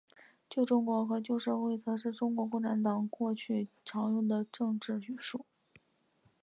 旧中国和旧社会则是中国共产党过去常用的政治术语。